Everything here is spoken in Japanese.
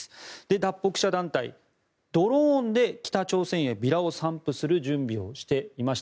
脱北者団体、ドローンで北朝鮮へビラを散布する準備をしておりました。